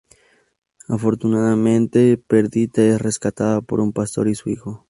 Afortunadamente, Perdita es rescatada por un pastor y su hijo.